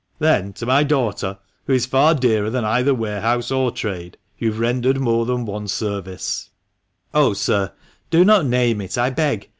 Then, to my daughter, who is far dearer than either warehouse or trade, you have rendered more than one service," "Oh, sir, do not name it, I beg.